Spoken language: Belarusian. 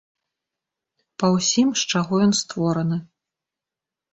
Па ўсім, з чаго ён створаны.